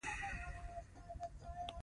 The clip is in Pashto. دوی د ټولنې د شعور د لوړولو لپاره کار کوي.